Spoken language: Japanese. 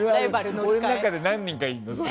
俺の中に何人かいるの。